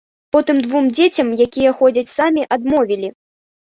Потым двум дзецям, якія ходзяць самі, адмовілі.